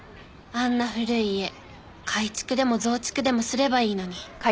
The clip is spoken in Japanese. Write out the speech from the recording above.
あんな古い家改築でも増築でもすればいいのに。